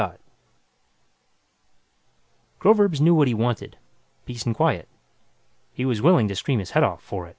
} Groverzb knew what he wanted peace and quiet. He was willing to scream his head off for it!